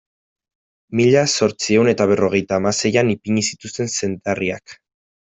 Mila zortziehun eta berrogeita hamaseian ipini zituzten zedarriak.